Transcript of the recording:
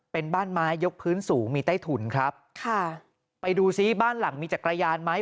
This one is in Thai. เป็นบ้านไม้ยกพื้นสูงมีใต้ถุนครับค่ะไปดูซิบ้านหลังมีจักรยานไหม